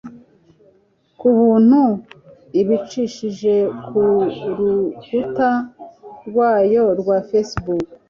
ku buntu ibicishije ku rukuta rwayo rwa Facebook,